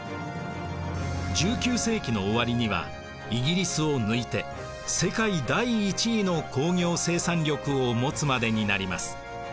１９世紀の終わりにはイギリスを抜いて世界第１位の工業生産力を持つまでになります。